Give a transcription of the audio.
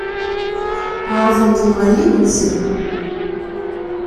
Ɛerḍen-ten ɣer yimensi.